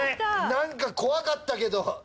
なんか怖かったけど。